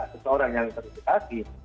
seseorang yang terhidupasi